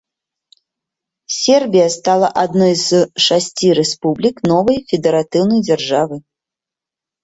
Сербія стала адной з шасці рэспублік новай федэратыўнай дзяржавы.